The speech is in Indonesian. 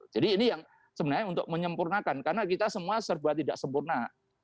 jadi ini yang sebenarnya untuk menyempurnakan karena kita semua serba tidak sempurna